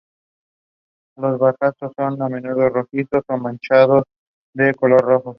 Los vástagos son a menudo rojizos o manchados de rojo.